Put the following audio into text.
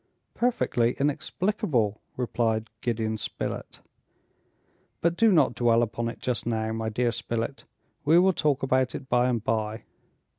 "Perfectly inexplicable!" replied Gideon Spilett. "But do not dwell upon it just now, my dear Spilett, we will talk about it by and by."